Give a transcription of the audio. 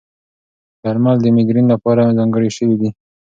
درمل د مېګرین لپاره ځانګړي شوي دي.